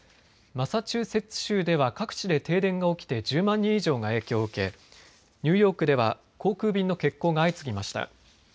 マサチューセッツ州では各地で停電が起きて１０万人以上が影響を受けニューヨークでは航空便の欠航が相次ぎました。